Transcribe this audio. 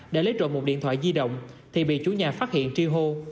đã lấy rộn một điện thoại di động thì bị chú nhà phát hiện tri hô